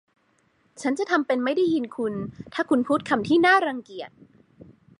ฉันจะทำเป็นไม่ได้ยินคุณถ้าคุณพูดคำที่น่ารังเกียจ